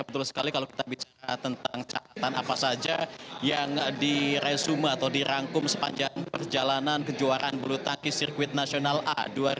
betul sekali kalau kita bicara tentang catatan apa saja yang diresume atau dirangkum sepanjang perjalanan kejuaraan bulu tangkis sirkuit nasional a dua ribu dua puluh